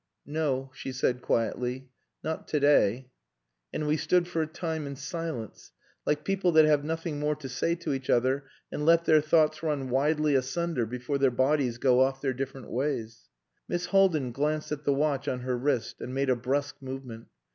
"No," she said quietly, "not to day;" and we stood for a time in silence, like people that have nothing more to say to each other and let their thoughts run widely asunder before their bodies go off their different ways. Miss Haldin glanced at the watch on her wrist and made a brusque movement.